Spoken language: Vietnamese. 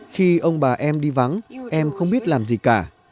khi ông bà em đi vắng em không biết làm gì cả